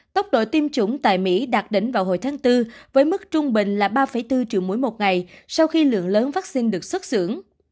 tốc độ tiêm chủng tại mỹ đạt đỉnh vào hồi tháng bốn với mức trung bình là ba bốn triệu mũi một ngày sau khi lượng lớn vaccine được xuất xưởng